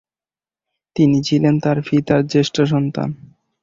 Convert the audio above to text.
তিনি ছিলেন তার পিতার জ্যেষ্ঠ সন্তান।